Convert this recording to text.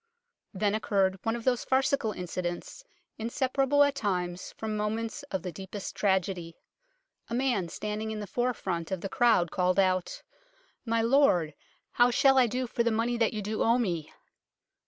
Then occurred one of those farcical incidents inseparable at times from moments of the deepest tragedy. A man standing in the forefront of the crowd called out, " My lord, how shall I do for the money that you do owe me